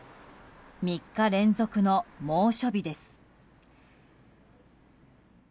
３日連続の猛暑日です。